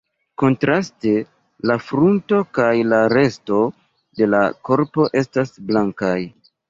Kontraste la frunto kaj la resto de la korpo estas blankaj.